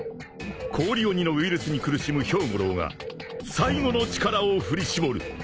氷鬼のウイルスに苦しむヒョウ五郎が最後の力を振り絞る］